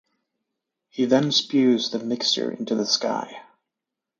He then spews the mixture into the sky.